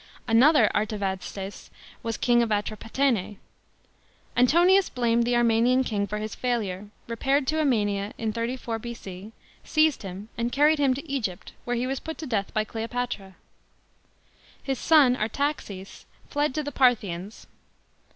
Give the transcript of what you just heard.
Another Artavasdes was king of Atropatene. Antonius blamed the Armenian king for his failure, repaired to Armenia in 34 B.C., seized him and carried him to Egypt, where he was put to death by Cleopatra. His son Artaxes fled to the Parthians.